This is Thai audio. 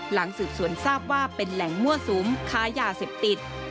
หลังสืบสวนทราบว่าเป็นแหล่งมั่วสุมค้ายาเสพติด